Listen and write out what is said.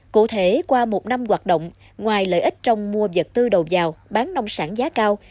cụ thể qua một năm hoạt động ngoài lợi ích trong mua vật tư đầu giàu bán nông sản giá cao